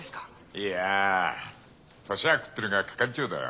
いやぁ年は食ってるが係長だよ。